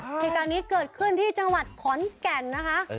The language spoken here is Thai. เหตุการณ์นี้เกิดขึ้นที่จังหวัดขอนแก่นนะคะ